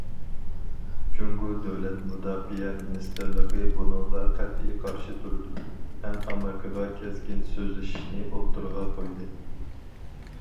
جۇڭگو دۆلەت مۇداپىئە مىنىستىرلىقى بۇنىڭغا قەتئىي قارشى تۇرىدۇ ھەم ئامېرىكىغا كەسكىن سۆزلىشىشنى ئوتتۇرىغا قويدى.